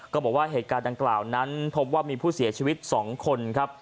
บอกว่าเหตุการณ์ดังกล่าวนั้นพบว่ามีผู้เสียชีวิต๒คนครับ